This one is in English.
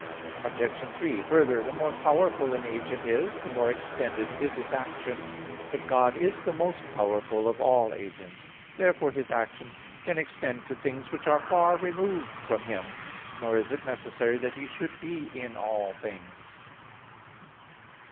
Obj. 3: Further, the more powerful an agent is, the more extended is its action. But God is the most powerful of all agents. Therefore His action can extend to things which are far removed from Him; nor is it necessary that He should be in all things.